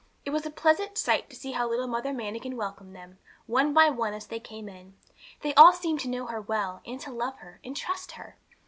It was a pleasant sight to see how little Mother Manikin welcomed them, one by one, as they came in. They all seemed to know her well, and to love her, and trust her.